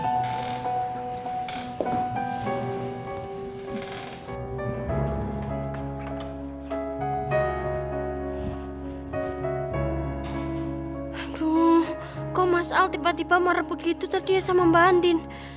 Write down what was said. aduh kok mas al tiba tiba marah begitu terdiah sama mbak andin